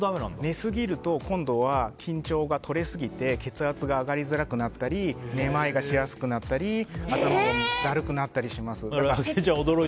寝すぎると今度は緊張が取れすぎて血圧が上がりづらくなったりめまいがしやすくなったり頭がだるくなったりします。